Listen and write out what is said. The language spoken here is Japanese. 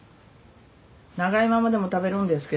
長いままでも食べるんですけどね。